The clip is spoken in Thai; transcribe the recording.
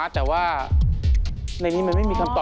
แต่มันก็ใกล้กันนี้แหละ